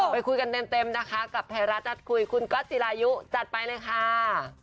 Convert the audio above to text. ไปคุยกันเต็มนะคะกับไทยรัฐนัดคุยคุณก๊อตจิรายุจัดไปเลยค่ะ